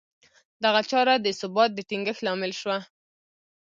دغه چاره د ثبات د ټینګښت لامل شوه